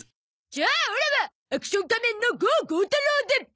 じゃあオラは『アクション仮面』の郷剛太郎で！